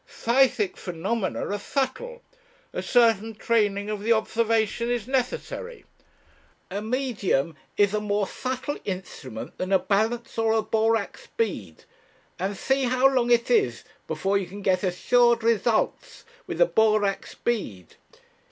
Psychic phenomena are subtle, a certain training of the observation is necessary. A medium is a more subtle instrument than a balance or a borax bead, and see how long it is before you can get assured results with a borax bead!